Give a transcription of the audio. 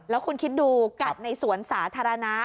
แล้วคุณคิดดูกัดในสวนสาธารณะ